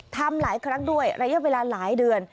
ทำหลายครั้งด้วยระยะเวลาหลายเดือน